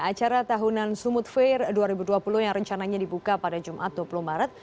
acara tahunan sumut fair dua ribu dua puluh yang rencananya dibuka pada jumat dua puluh maret